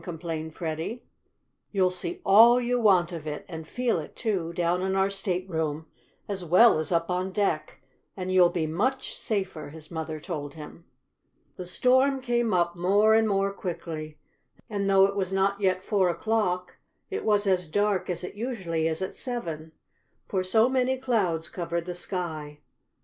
complained Freddie. "You'll see all you want of it, and feel it, too, down in our stateroom, as well as up on deck, and you'll be much safer," his mother told him. The storm came up more and more quickly, and, though it was not yet four o'clock, it was as dark as it usually is at seven, for so many clouds covered the sky.